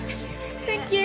センキュー